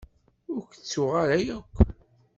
Ur k-ttuɣ ara akk.